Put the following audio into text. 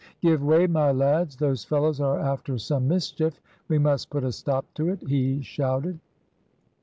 "Give way, my lads, those fellows are after some mischief, we must put a stop to it," he shouted.